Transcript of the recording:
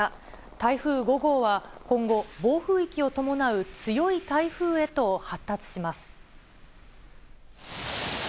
台風５号は今後、暴風域を伴う強い台風へと発達します。